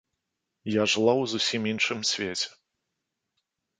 Я жыла ў зусім іншым свеце.